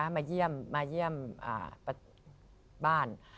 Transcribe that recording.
มาเยี่ยมบ้าน